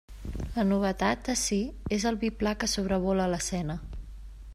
La novetat, ací, és el biplà que sobrevola l'escena.